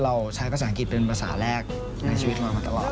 เราใช้ภาษาอังกฤษเป็นภาษาแรกในชีวิตมามาตลอด